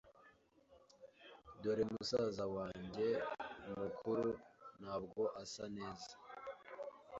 Dore musaza wanjye mukuru. Ntabwo asa neza?